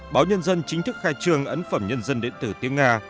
báo nhân dân chính thức khai trường ấn phẩm nhân dân điện tử tiếng nga